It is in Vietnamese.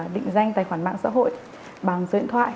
định danh tài khoản mạng xã hội bằng số điện thoại